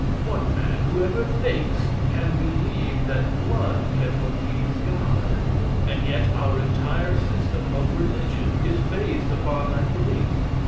What man, who ever thinks, can believe that blood can appease God? And yet, our entire system of religion is based upon that belief.